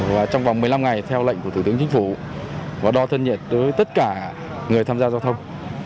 và trong vòng một mươi năm ngày theo lệnh của thủ tướng chính phủ và đo thân nhiệt tới tất cả người tham gia giao thông